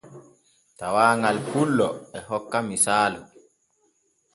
Tawaaŋal pullo e hokka misaalu.